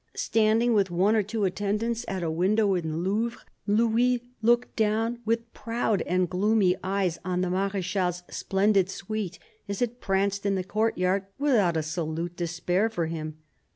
Standing with one or two attendants at a window in the Louvre, Louis looked down with proud and gloomy eyes on the Marechal's splendid suite as it pranced in the courtyard without a salute to spare for him.